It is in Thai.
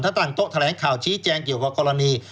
ถ้าตั้งโต๊ะแถลงข่าวชี้แจงเกี่ยวกับกรณี